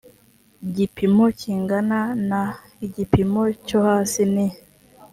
gipimo kingana na igipimo cyo hasi ni